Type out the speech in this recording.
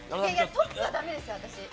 トップは駄目ですよ、私。